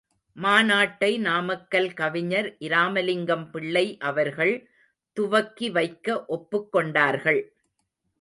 மாநாட்டை நாமக்கல் கவிஞர் இராமலிங்கம்பிள்ளை அவர்கள் துவக்கி வைக்க ஒப்புக்கொண்டார்கள்.